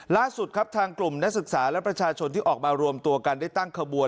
ล่าสุดครับทางกลุ่มนักศึกษาและประชาชนที่ออกมารวมตัวกันได้ตั้งขบวน